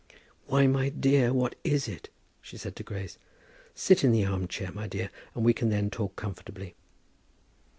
"Well, my dear, what is it?" she said to Grace. "Sit in the arm chair, my dear, and we can then talk comfortably."